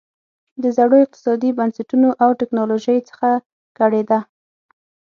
د زړو اقتصادي بنسټونو او ټکنالوژۍ څخه کړېده.